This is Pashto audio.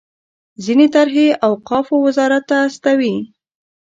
خپلې طرحې اوقافو وزارت ته استوي.